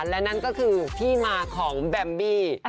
และนั่นก็คือที่มาของแบมบี้